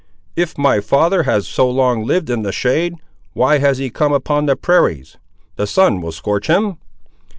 "If my father has so long lived in the shade, why has he come upon the prairies? The sun will scorch him."